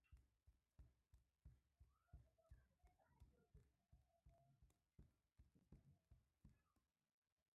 په دې توګه د روسانو نفوذ د تل لپاره بې اثره شي.